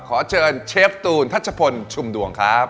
ขอเชิญเชฟตูนทัชพลชุมดวงครับ